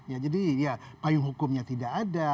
ya jadi ya payung hukumnya tidak ada